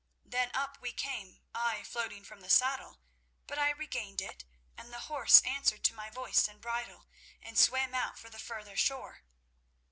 Then up we came, I floating from the saddle, but I regained it, and the horse answered to my voice and bridle, and swam out for the further shore.